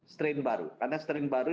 strain baru karena strain baru